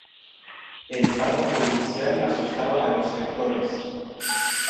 El párrafo inicial asustaba a los lectores.